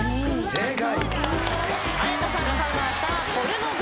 正解！